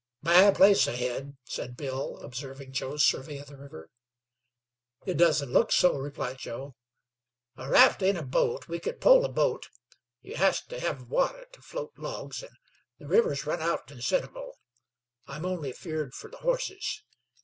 "Bad place ahead," said Bill, observing Joe's survey of the river. "It doesn't look so," replied Joe. "A raft ain't a boat. We could pole a boat. You has to hev water to float logs, an' the river's run out considerable. I'm only afeerd fer the horses.